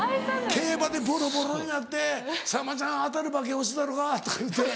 競馬でボロボロになって「さんまちゃん当たる馬券教えたろか？」とか言うて。